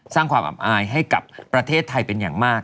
สร้างความอับอายให้กับประเทศไทยเป็นอย่างมาก